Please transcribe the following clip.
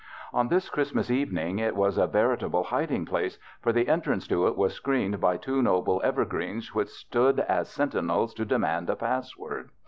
On this Christmas evening it was a veritable hiding place, for the entrance to it Avas screened by two noble evergreens which stood as sentinels to demand a pass word.